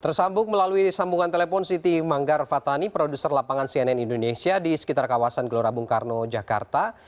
tersambung melalui sambungan telepon siti manggar fatani produser lapangan cnn indonesia di sekitar kawasan gelora bung karno jakarta